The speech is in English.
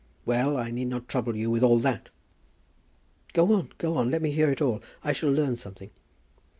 Well; I need not trouble you with all that." "Go on; go on. Let me hear it all, and I shall learn something."